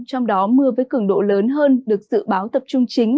trong đó mưa với cường độ lớn hơn được dự báo tập trung chính